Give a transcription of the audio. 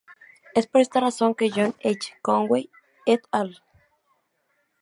Es por esta razón que John H. Conway "et al".